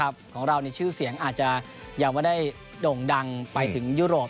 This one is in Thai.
ครับของเรานี่ชื่อเสียงอาจจะอย่างว่าได้ด่งดังไปถึงยุโรป